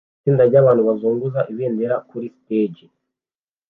Itsinda ryabantu bazunguza ibendera kuri stage